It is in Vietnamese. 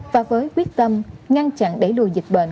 và với quyết tâm ngăn chặn đẩy lùi dịch bệnh